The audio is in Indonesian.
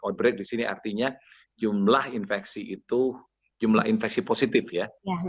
outbreak di sini artinya jumlah infeksi itu jumlah infeksi positif ya